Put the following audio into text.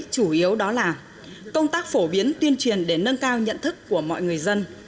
chủ yếu đó là công tác phổ biến tuyên truyền để nâng cao nhận thức của mọi người dân